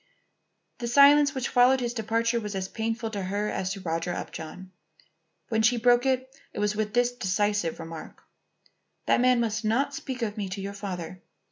The silence which followed his departure was as painful to her as to Roger Upjohn. When she broke it it was with this decisive remark: "That man must not speak of me to your father.